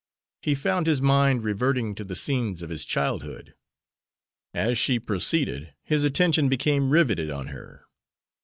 He found his mind reverting to the scenes of his childhood. As she proceeded his attention became riveted on her.